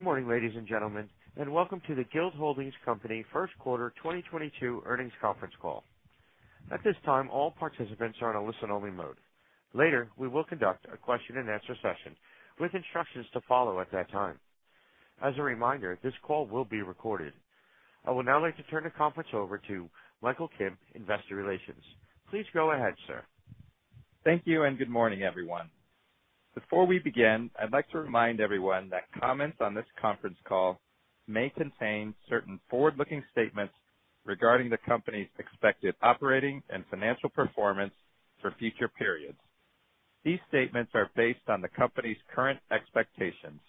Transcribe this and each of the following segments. Good morning, ladies and gentlemen, and welcome to the Guild Holdings Company first quarter 2022 earnings conference call. At this time, all participants are in a listen only mode. Later, we will conduct a question and answer session with instructions to follow at that time. As a reminder, this call will be recorded. I would now like to turn the conference over to Michael Kim, Investor Relations. Please go ahead, sir. Thank you and good morning, everyone. Before we begin, I'd like to remind everyone that comments on this conference call may contain certain forward-looking statements regarding the company's expected operating and financial performance for future periods. These statements are based on the company's current expectations.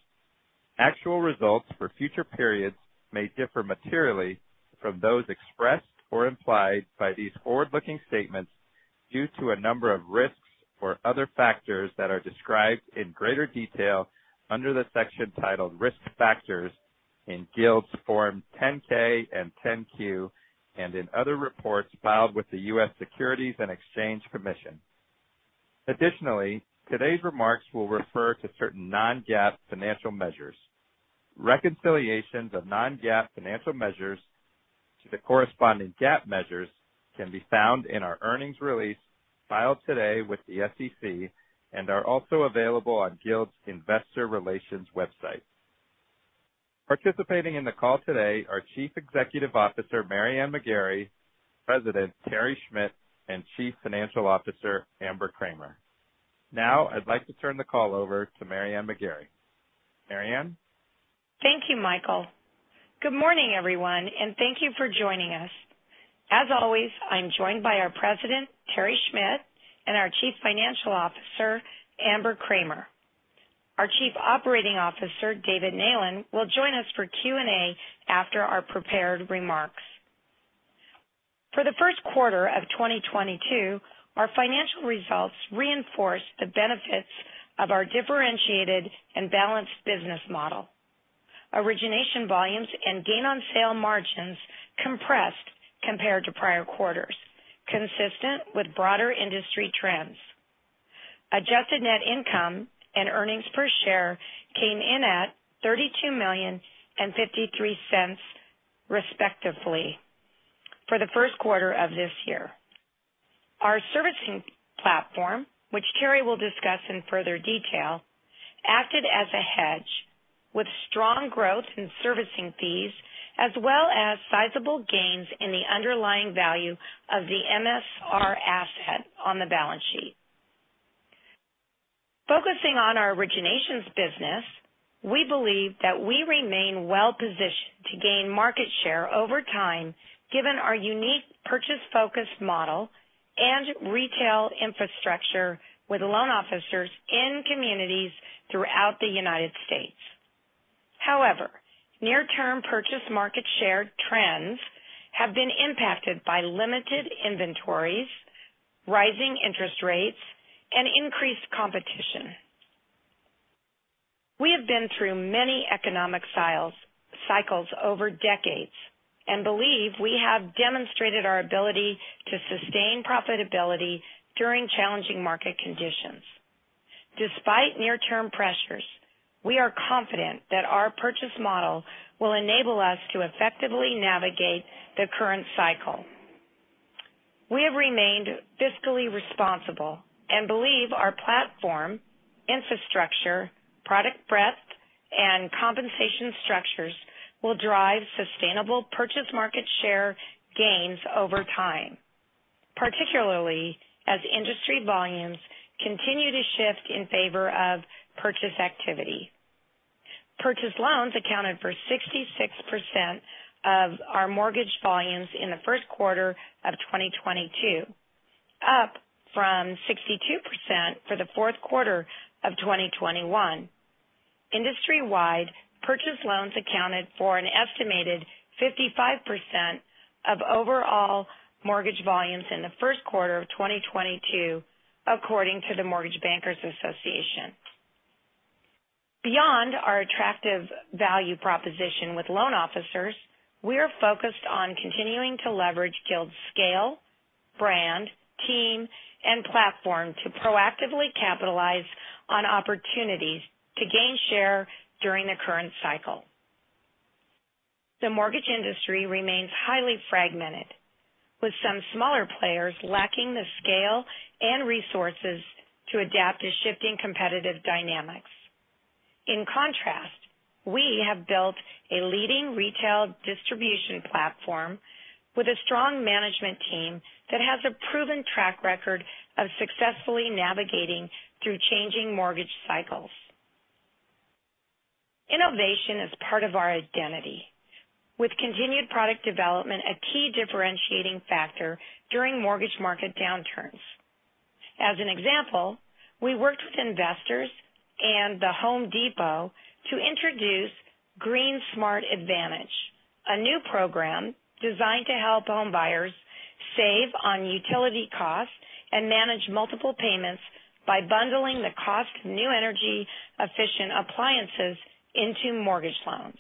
Actual results for future periods may differ materially from those expressed or implied by these forward-looking statements due to a number of risks or other factors that are described in greater detail under the section titled Risk Factors in Guild's 10-K and 10-Q, and in other reports filed with the U.S. Securities and Exchange Commission. Additionally, today's remarks will refer to certain Non-GAAP financial measures. Reconciliations of Non-GAAP financial measures to the corresponding GAAP measures can be found in our earnings release filed today with the SEC and are also available on Guild's investor relations website. Participating in the call today are Chief Executive Officer Mary Ann McGarry, President Terry Schmidt, and Chief Financial Officer Amber Kramer. Now, I'd like to turn the call over to Mary Ann McGarry. Mary Ann? Thank you, Michael. Good morning, everyone, and thank you for joining us. As always, I'm joined by our President, Terry Schmidt, and our Chief Financial Officer, Amber Kramer. Our Chief Operating Officer, David Neylan, will join us for Q&A after our prepared remarks. For the first quarter of 2022, our financial results reinforce the benefits of our differentiated and balanced business model. Origination volumes and gain on sale margins compressed compared to prior quarters, consistent with broader industry trends. Adjusted net income and earnings per share came in at $32 million and $0.53, respectively, for the first quarter of this year. Our servicing platform, which Terry will discuss in further detail, acted as a hedge with strong growth in servicing fees as well as sizable gains in the underlying value of the MSR asset on the balance sheet. Focusing on our originations business, we believe that we remain well-positioned to gain market share over time, given our unique purchase-focused model and retail infrastructure with loan officers in communities throughout the United States. However, near-term purchase market share trends have been impacted by limited inventories, rising interest rates, and increased competition. We have been through many economic cycles over decades and believe we have demonstrated our ability to sustain profitability during challenging market conditions. Despite near-term pressures, we are confident that our purchase model will enable us to effectively navigate the current cycle. We have remained fiscally responsible and believe our platform, infrastructure, product breadth, and compensation structures will drive sustainable purchase market share gains over time, particularly as industry volumes continue to shift in favor of purchase activity. Purchase loans accounted for 66% of our mortgage volumes in the first quarter of 2022, up from 62% for the fourth quarter of 2021. Industry-wide, purchase loans accounted for an estimated 55% of overall mortgage volumes in the first quarter of 2022, according to the Mortgage Bankers Association. Beyond our attractive value proposition with loan officers, we are focused on continuing to leverage Guild's scale, brand, team, and platform to proactively capitalize on opportunities to gain share during the current cycle. The mortgage industry remains highly fragmented, with some smaller players lacking the scale and resources to adapt to shifting competitive dynamics. In contrast, we have built a leading retail distribution platform with a strong management team that has a proven track record of successfully navigating through changing mortgage cycles. Innovation is part of our identity, with continued product development a key differentiating factor during mortgage market downturns. As an example, we worked with investors and The Home Depot to introduce GreenSmart Advantage, a new program designed to help homebuyers save on utility costs and manage multiple payments by bundling the cost of new energy-efficient appliances into mortgage loans.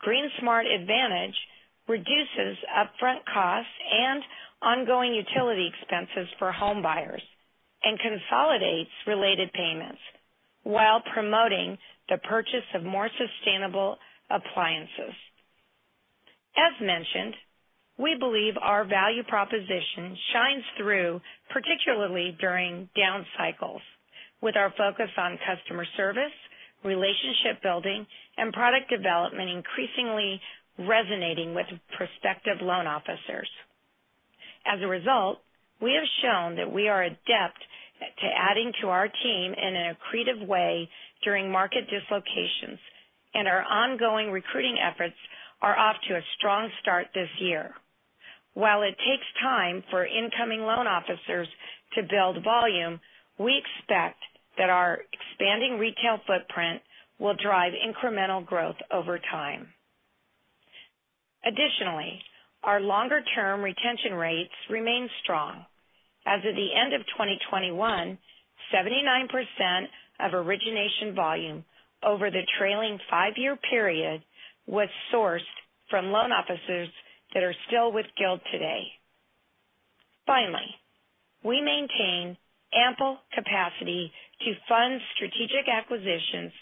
GreenSmart Advantage reduces upfront costs and ongoing utility expenses for home buyers and consolidates related payments while promoting the purchase of more sustainable appliances. As mentioned, we believe our value proposition shines through, particularly during down cycles, with our focus on customer service, relationship building, and product development increasingly resonating with prospective loan officers. As a result, we have shown that we are adept at adding to our team in an accretive way during market dislocations, and our ongoing recruiting efforts are off to a strong start this year. While it takes time for incoming loan officers to build volume, we expect that our expanding retail footprint will drive incremental growth over time. Additionally, our longer-term retention rates remain strong. As of the end of 2021, 79% of origination volume over the trailing five-year period was sourced from loan officers that are still with Guild today. Finally, we maintain ample capacity to fund strategic acquisitions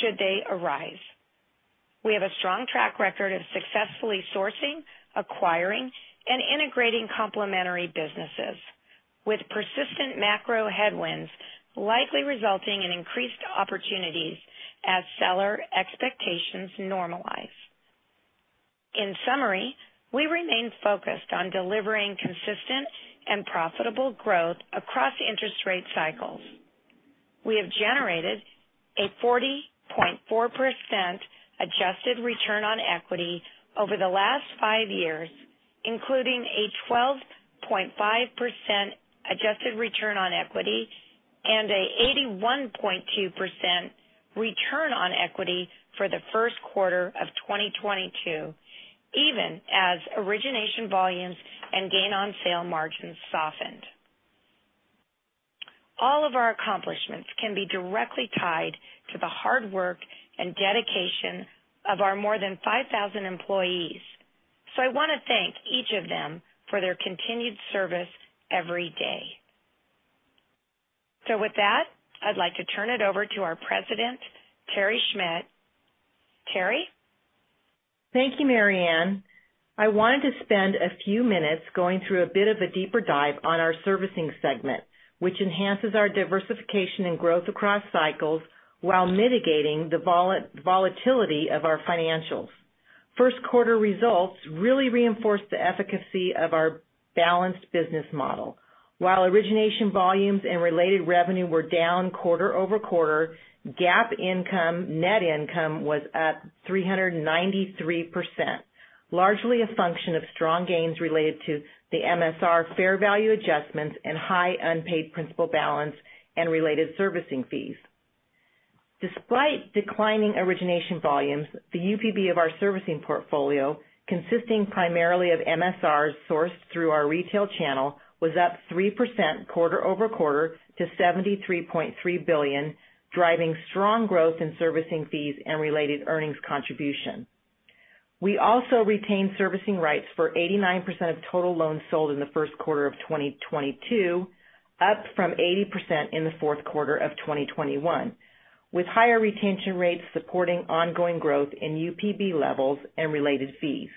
should they arise. We have a strong track record of successfully sourcing, acquiring, and integrating complementary businesses with persistent macro headwinds, likely resulting in increased opportunities as seller expectations normalize. In summary, we remain focused on delivering consistent and profitable growth across interest rate cycles. We have generated a 40.4% adjusted return on equity over the last five years, including a 12.5% adjusted return on equity and a 81.2% return on equity for the first quarter of 2022, even as origination volumes and gain on sale margins softened. All of our accomplishments can be directly tied to the hard work and dedication of our more than 5,000 employees. I want to thank each of them for their continued service every day. With that, I'd like to turn it over to our President, Terry Schmidt. Terry? Thank you, Mary Ann. I wanted to spend a few minutes going through a bit of a deeper dive on our servicing segment, which enhances our diversification and growth across cycles while mitigating the volatility of our financials. First quarter results really reinforce the efficacy of our balanced business model. While origination volumes and related revenue were down quarter-over-quarter, GAAP income, net income was up 393%, largely a function of strong gains related to the MSR fair value adjustments and high unpaid principal balance and related servicing fees. Despite declining origination volumes, the UPB of our servicing portfolio, consisting primarily of MSRs sourced through our retail channel, was up 3% quarter-over-quarter to $73.3 billion, driving strong growth in servicing fees and related earnings contribution. We also retained servicing rights for 89% of total loans sold in the first quarter of 2022, up from 80% in the fourth quarter of 2021, with higher retention rates supporting ongoing growth in UPB levels and related fees.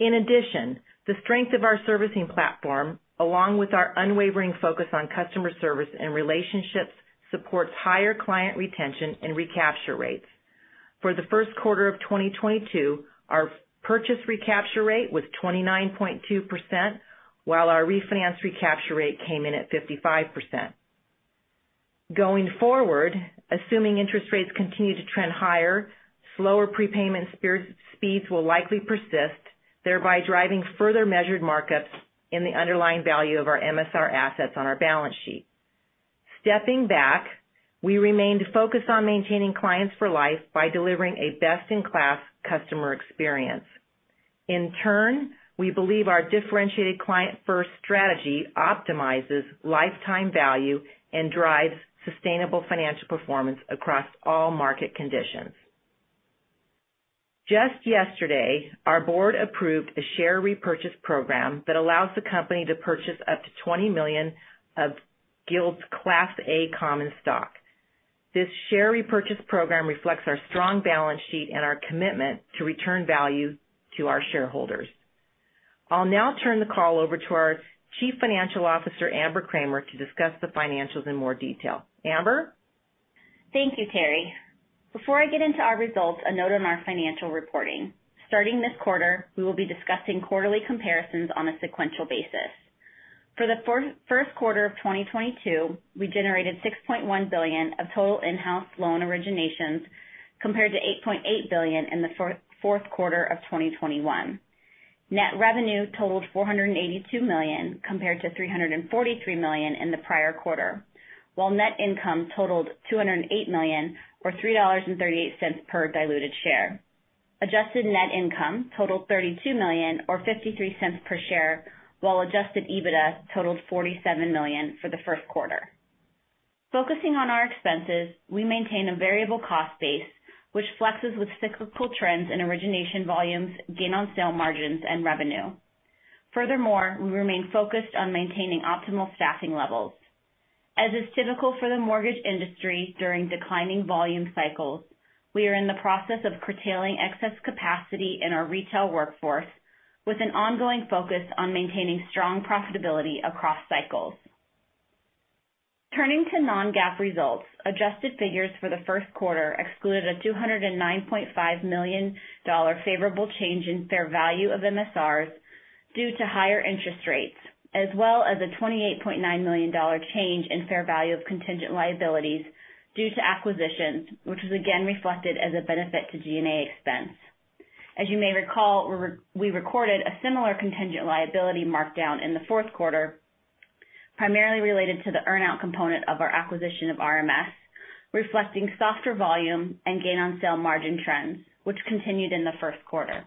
In addition, the strength of our servicing platform, along with our unwavering focus on customer service and relationships, supports higher client retention and recapture rates. For the first quarter of 2022, our purchase recapture rate was 29.2%, while our refinance recapture rate came in at 55%. Going forward, assuming interest rates continue to trend higher, slower prepayment speeds will likely persist, thereby driving further measured markups in the underlying value of our MSR assets on our balance sheet. Stepping back, we remained focused on maintaining clients for life by delivering a best-in-class customer experience. In turn, we believe our differentiated client first strategy optimizes lifetime value and drives sustainable financial performance across all market conditions. Just yesterday, our board approved a share repurchase program that allows the company to purchase up to 20 million of Guild's Class A common stock. This share repurchase program reflects our strong balance sheet and our commitment to return value to our shareholders. I'll now turn the call over to our Chief Financial Officer, Amber Kramer, to discuss the financials in more detail. Amber? Thank you, Terry. Before I get into our results, a note on our financial reporting. Starting this quarter, we will be discussing quarterly comparisons on a sequential basis. For the first quarter of 2022, we generated $6.1 billion of total in-house loan originations, compared to $8.8 billion in the fourth quarter of 2021. Net revenue totaled $482 million, compared to $343 million in the prior quarter, while net income totaled $208 million, or $3.38 per diluted share. Adjusted net income totaled $32 million or $0.53 per share, while Adjusted EBITDA totaled $47 million for the first quarter. Focusing on our expenses, we maintain a variable cost base which flexes with cyclical trends in origination volumes, gain on sale margins and revenue. Furthermore, we remain focused on maintaining optimal staffing levels. As is typical for the mortgage industry during declining volume cycles, we are in the process of curtailing excess capacity in our retail workforce with an ongoing focus on maintaining strong profitability across cycles. Turning to Non-GAAP results, adjusted figures for the first quarter excluded a $209.5 million favorable change in fair value of MSRs due to higher interest rates, as well as a $28.9 million change in fair value of contingent liabilities due to acquisitions, which was again reflected as a benefit to G&A expense. As you may recall, we recorded a similar contingent liability markdown in the fourth quarter, primarily related to the earn-out component of our acquisition of RMS, reflecting softer volume and gain on sale margin trends, which continued in the first quarter.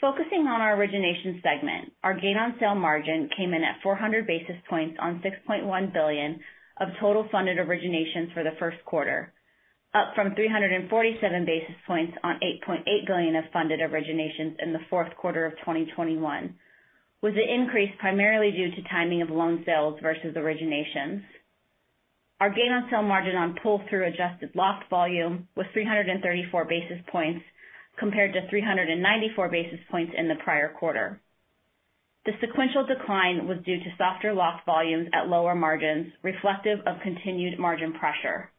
Focusing on our origination segment, our gain on sale margin came in at 400 basis points on $6.1 billion of total funded originations for the first quarter, up from 347 basis points on $8.8 billion of funded originations in the fourth quarter of 2021, with the increase primarily due to timing of loan sales versus originations. Our gain on sale margin on pull-through adjusted locked volume was 334 basis points compared to 394 basis points in the prior quarter. The sequential decline was due to softer locked volumes at lower margins, reflective of continued margin pressure.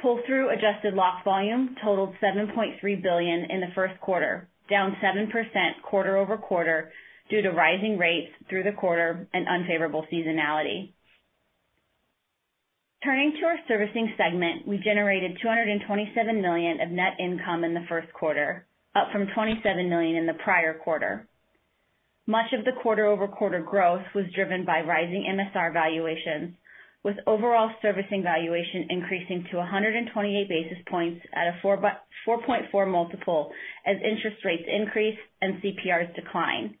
Pull-through adjusted locked volume totaled $7.3 billion in the first quarter, down 7% quarter-over-quarter due to rising rates through the quarter and unfavorable seasonality. Turning to our servicing segment, we generated $227 million of net income in the first quarter, up from $27 million in the prior quarter. Much of the quarter-over-quarter growth was driven by rising MSR valuations, with overall servicing valuation increasing to 128 basis points at a 4.4x multiple as interest rates increase and CPRs decline.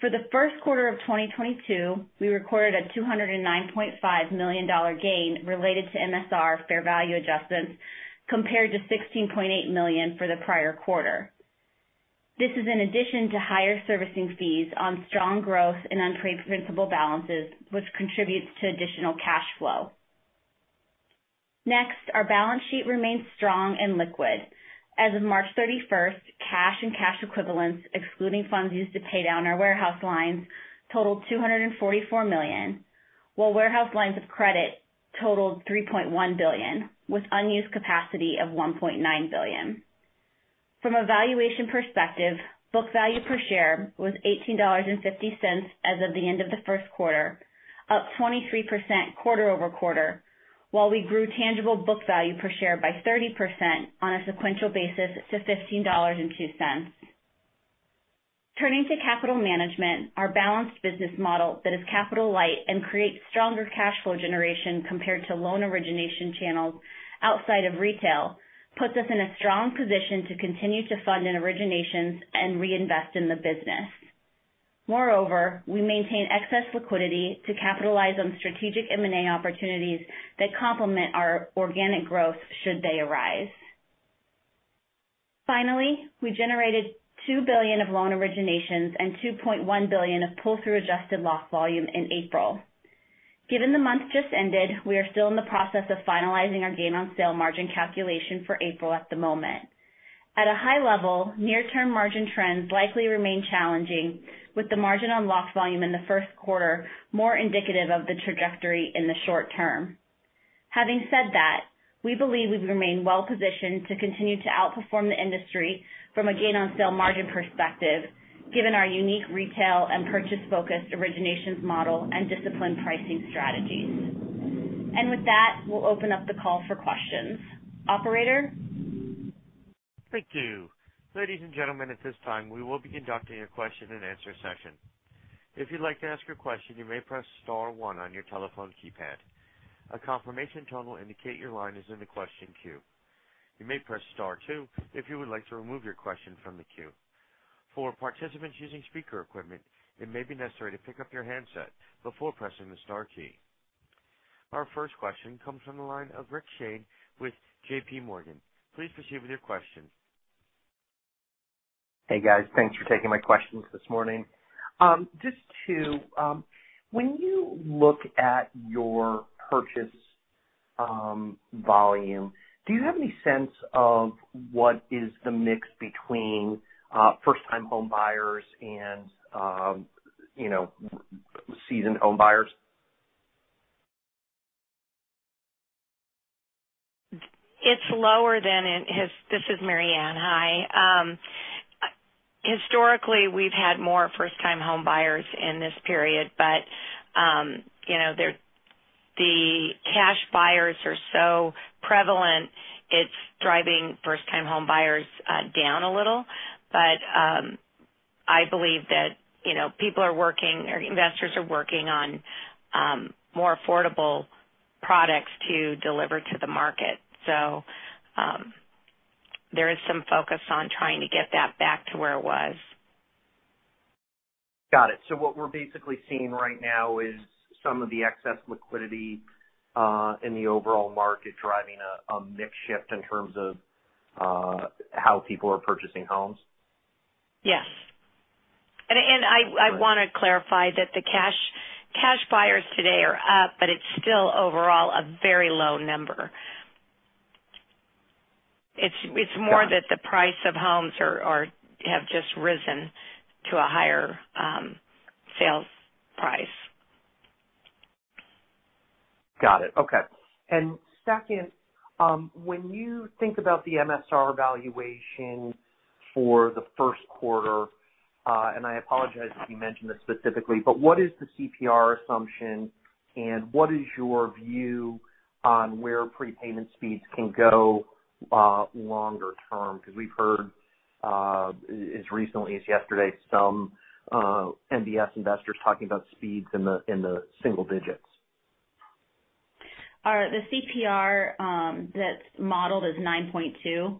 For the first quarter of 2022, we recorded a $209.5 million gain related to MSR fair value adjustments compared to $16.8 million for the prior quarter. This is in addition to higher servicing fees on strong growth in unpaid principal balances, which contributes to additional cash flow. Our balance sheet remains strong and liquid. As of March 31, cash and cash equivalents, excluding funds used to pay down our warehouse lines, totaled $244 million, while warehouse lines of credit totaled $3.1 billion, with unused capacity of $1.9 billion. From a valuation perspective, book value per share was $18.50 as of the end of the first quarter, up 23% quarter-over-quarter, while we grew tangible book value per share by 30% on a sequential basis to $15.02. Turning to capital management, our balanced business model that is capital light and creates stronger cash flow generation compared to loan origination channels outside of retail puts us in a strong position to continue to fund in originations and reinvest in the business. Moreover, we maintain excess liquidity to capitalize on strategic M&A opportunities that complement our organic growth should they arise. Finally, we generated $2 billion of loan originations and $2.1 billion of pull-through adjusted locked volume in April. Given the month just ended, we are still in the process of finalizing our gain on sale margin calculation for April at the moment. At a high level, near-term margin trends likely remain challenging, with the margin on locked volume in the first quarter more indicative of the trajectory in the short term. Having said that, we believe we remain well positioned to continue to outperform the industry from a gain on sale margin perspective, given our unique retail and purchase-focused originations model and disciplined pricing strategies. With that, we'll open up the call for questions. Operator? Thank you. Ladies and gentlemen, at this time, we will be conducting a question-and-answer session. If you'd like to ask your question, you may press star one on your telephone keypad. A confirmation tone will indicate your line is in the question queue. You may press star two if you would like to remove your question from the queue. For participants using speaker equipment, it may be necessary to pick up your handset before pressing the star key. Our first question comes from the line of Rick Shane with JPMorgan. Please proceed with your question. Hey, guys. Thanks for taking my questions this morning. Just to, when you look at your purchase volume, do you have any sense of what is the mix between first-time home buyers and you know, seasoned home buyers? This is Mary. Hi. Historically, we've had more first-time home buyers in this period, but you know, the cash buyers are so prevalent, it's driving first-time home buyers down a little. I believe that, you know, people are working or investors are working on more affordable products to deliver to the market. There is some focus on trying to get that back to where it was. Got it. What we're basically seeing right now is some of the excess liquidity in the overall market driving a mix shift in terms of how people are purchasing homes. Yes. I wanna clarify that the cash buyers today are up, but it's still overall a very low number. It's more that the price of homes have just risen to a higher sales price. Got it. Okay. Second, when you think about the MSR valuation for the first quarter, and I apologize if you mentioned this specifically, but what is the CPR assumption, and what is your view on where prepayment speeds can go, longer term? Because we've heard, as recently as yesterday, some MBS investors talking about speeds in the single digits. All right. The CPR that's modeled is 9.2,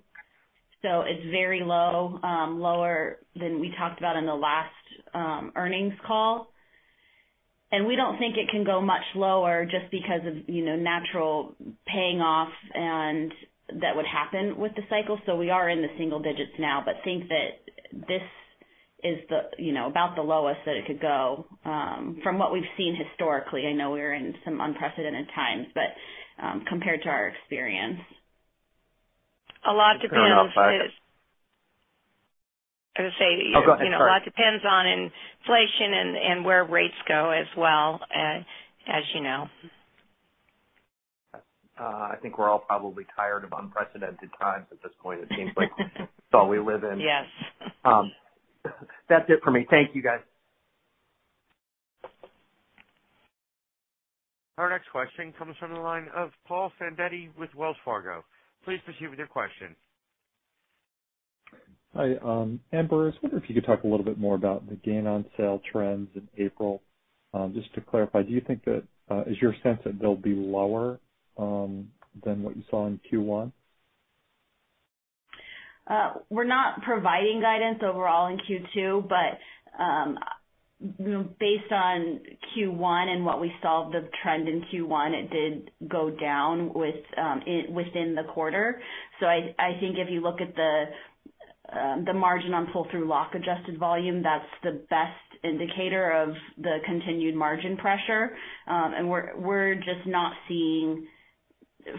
so it's very low, lower than we talked about in the last earnings call. We don't think it can go much lower just because of, you know, natural paying off and that would happen with the cycle. We are in the single digits now, but think that this is the, you know, about the lowest that it could go, from what we've seen historically. I know we're in some unprecedented times, but, compared to our experience. A lot depends. No, no. I was gonna say. Oh, go ahead. Sorry. You know, a lot depends on inflation and where rates go as well, as you know. I think we're all probably tired of unprecedented times at this point. It seems like it's all we live in. Yes. That's it for me. Thank you, guys. Our next question comes from the line of Donald Fandetti with Wells Fargo. Please proceed with your question. Hi. Amber, I was wondering if you could talk a little bit more about the gain on sale trends in April. Just to clarify, do you think that is your sense that they'll be lower than what you saw in Q1? We're not providing guidance overall in Q2, but based on Q1 and what we saw, the trend in Q1, it did go down within the quarter. I think if you look at the margin on pull-through adjusted locked volume, that's the best indicator of the continued margin pressure. We're just not seeing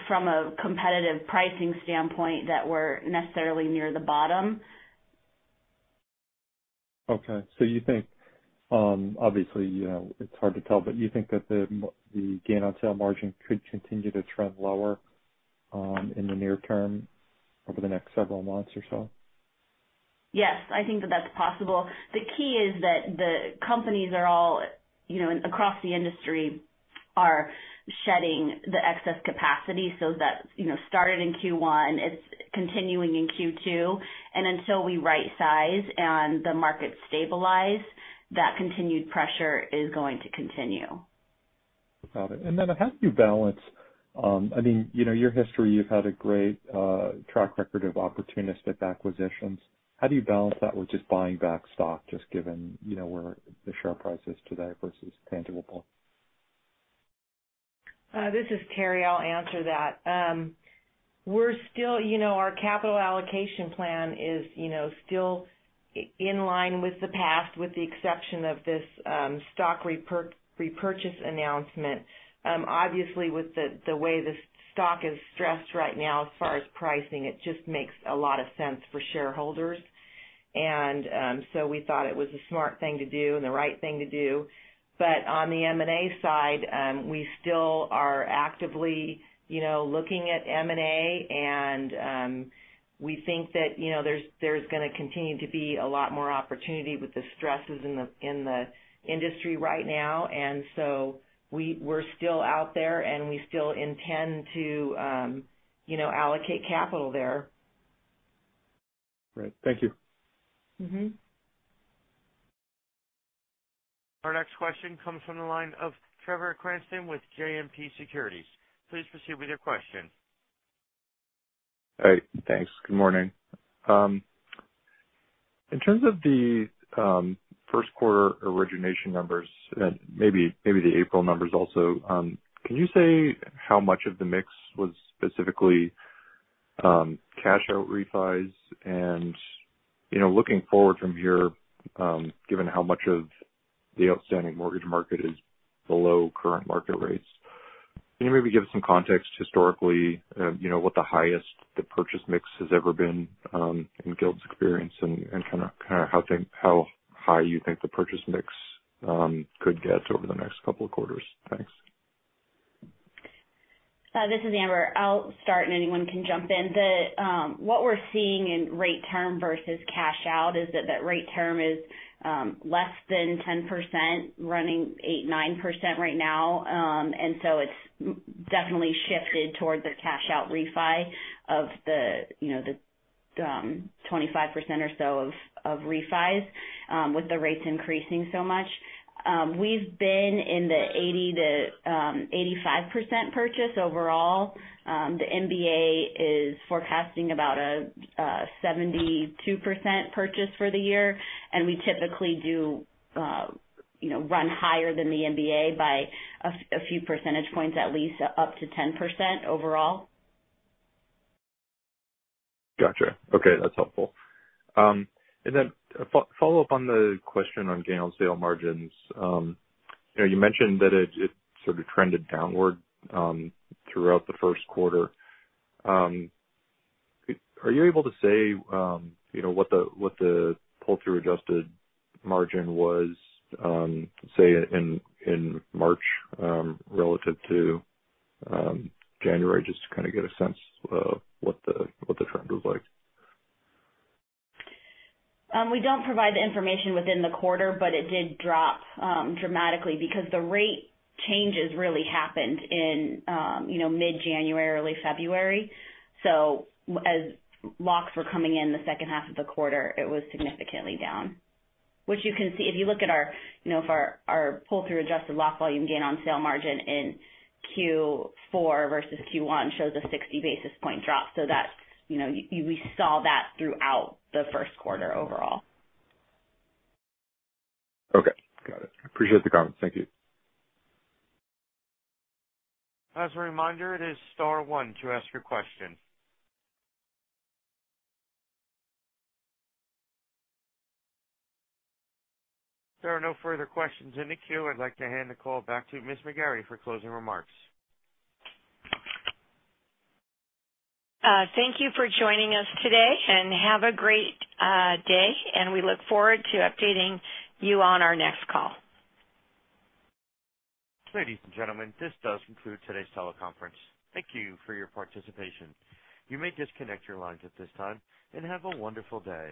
from a competitive pricing standpoint that we're necessarily near the bottom. Okay. You think, obviously, you know, it's hard to tell, but you think that the gain on sale margin could continue to trend lower, in the near term over the next several months or so? Yes, I think that that's possible. The key is that the companies are all, you know, across the industry are shedding the excess capacity. That's, you know, started in Q1. It's continuing in Q2. Until we right size and the market stabilize, that continued pressure is going to continue. Got it. How do you balance, I mean, you know, your history, you've had a great track record of opportunistic acquisitions. How do you balance that with just buying back stock, just given, you know, where the share price is today versus tangible? This is Terry. I'll answer that. We're still, you know, our capital allocation plan is, you know, still in line with the past, with the exception of this stock repurchase announcement. Obviously, with the way the stock is stressed right now, as far as pricing, it just makes a lot of sense for shareholders. We thought it was the smart thing to do and the right thing to do. On the M&A side, we still are actively, you know, looking at M&A, and we think that, you know, there's gonna continue to be a lot more opportunity with the stresses in the industry right now. We're still out there, and we still intend to, you know, allocate capital there. Great. Thank you. Our next question comes from the line of Trevor Cranston with JMP Securities. Please proceed with your question. Hey, thanks. Good morning. In terms of the first quarter origination numbers and maybe the April numbers also, can you say how much of the mix was specifically cash out refis? You know, looking forward from here, given how much of the outstanding mortgage market is below current market rates. Can you maybe give some context historically, you know, what the highest the purchase mix has ever been in Guild's experience and kinda how high you think the purchase mix could get over the next couple of quarters? Thanks. This is Amber. I'll start, and anyone can jump in. What we're seeing in rate term versus cash out is that rate term is less than 10%, running 8-9% right now. It's definitely shifted towards the cash out refi of the, you know, the 25% or so of refis with the rates increasing so much. We've been in the 80-85% purchase overall. The MBA is forecasting about a 72% purchase for the year, and we typically do you know run higher than the MBA by a few percentage points, at least up to 10% overall. Gotcha. Okay, that's helpful. Follow-up on the question on gain on sale margins. You know, you mentioned that it sort of trended downward throughout the first quarter. Are you able to say, you know, what the pull-through adjusted margin was, say in March, relative to January, just to kinda get a sense of what the trend was like? We don't provide the information within the quarter, but it did drop dramatically because the rate changes really happened in, you know, mid-January, early February. As locks were coming in the second half of the quarter, it was significantly down, which you can see if you look at our, you know, pull-through adjusted lock volume gain on sale margin in Q4 versus Q1 shows a 60 basis point drop. That's, you know, we saw that throughout the first quarter overall. Okay, got it. Appreciate the comments. Thank you. As a reminder, it is star one to ask your question. If there are no further questions in the queue, I'd like to hand the call back to Ms. McGarry for closing remarks. Thank you for joining us today, and have a great day, and we look forward to updating you on our next call. Ladies and gentlemen, this does conclude today's teleconference. Thank you for your participation. You may disconnect your lines at this time and have a wonderful day.